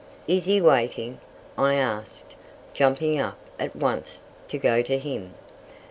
"Is he waiting?" I asked, jumping up at once to go to him.